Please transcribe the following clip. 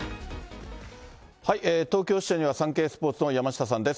東京支社にはサンケイスポーツの山下さんです。